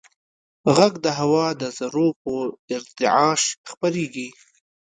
غږ د هوا د ذرّو په ارتعاش خپرېږي.